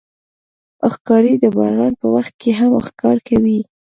ښکاري د باران په وخت کې هم ښکار کوي.